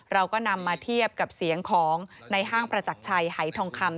เราก็นำมาเทียบกับเสียงของในห้างประจักรชัยหายทองคำ